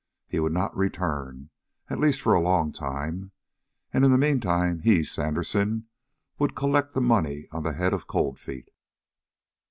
He would not return, at least for a long time, and in the meantime, he, Sandersen, would collect the money on the head of Cold Feet!